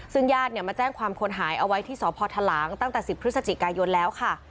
ซึ่งญาติมาแจ้งความคนหายเอาไว้ที่สพทหลางตั้งแต่๑๐พฤศจิกายนแล้วค่ะ